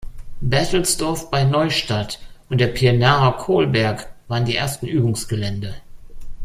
Berthelsdorf bei Neustadt und der Pirnaer Kohlberg waren die ersten Übungsgelände.